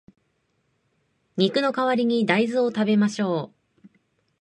肉の代わりに大豆を食べましょう